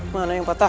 mana yang patah